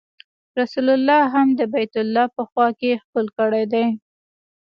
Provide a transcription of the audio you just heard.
رسول الله هم د بیت الله په خوا کې ښکل کړی دی.